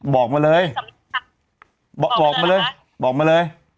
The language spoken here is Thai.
สำนักข่าวนึงบอกมาเลย